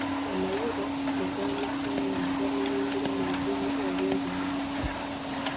Amayuba bwe gaamusanga ne gamuyimbira mu lulimi lw'ebinyonyi.